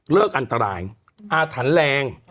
อันตรายอาถรรพ์แรง